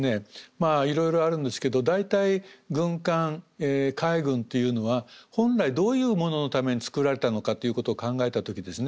まあいろいろあるんですけど大体軍艦海軍というのは本来どういうもののために造られたのかということを考えた時ですね